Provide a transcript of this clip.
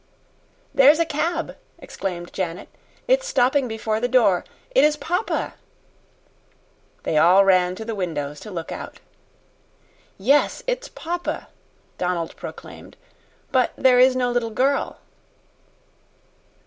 "There's a cab!" exclaimed Janet. "It's stopping before the door. It is papa!" They all ran to the windows to look out. "Yes, it's papa," Donald proclaimed. "But there is no little girl."